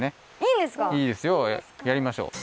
いいですよやりましょう。